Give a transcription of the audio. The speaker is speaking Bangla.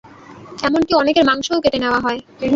এমন কি অনেকের মাংস ও কেটে নেয়া হই।